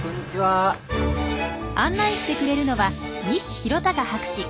案内してくれるのは西浩孝博士。